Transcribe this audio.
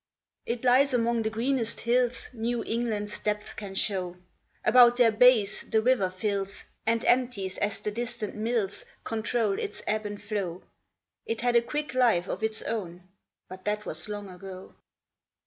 T lies among the greenest hills New England s depths can show About their base the river fills And empties as the distant mills Control its ebb and flow : It had a quick life of its own, But that was long ago.